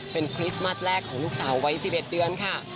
เป็นคริสต์มัสแรกของลูกสาววัย๑๑เดือนค่ะ